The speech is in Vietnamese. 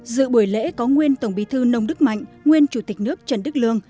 dự buổi lễ có nguyên tổng bí thư nông đức mạnh nguyên chủ tịch nước trần đức lương